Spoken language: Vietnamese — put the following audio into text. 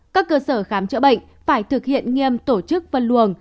các cơ sở khám chữa bệnh phải thực hiện nghiêm tổ chức phân luồng